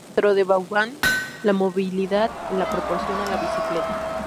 Dentro de Vauban, la movilidad la proporciona la bicicleta.